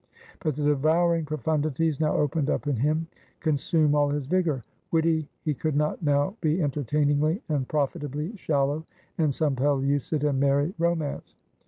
But the devouring profundities, now opened up in him, consume all his vigor; would he, he could not now be entertainingly and profitably shallow in some pellucid and merry romance.